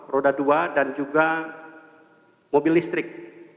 roda dua dan juga mobil listrik